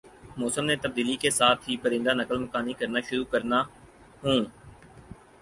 موسم میں تبدیلی کا ساتھ ہی پرندہ نقل مکانی کرنا شروع کرنا ہون